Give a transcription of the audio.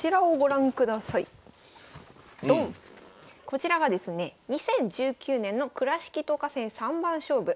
こちらがですね２０１９年の倉敷藤花戦三番勝負。